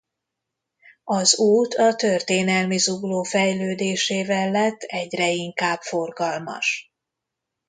Az út a történelmi Zugló fejlődésével lett egyre inkább forgalmas.